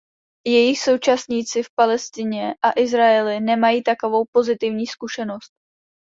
Jejich současníci v Palestině a Izraeli nemají takovou pozitivní zkušenost.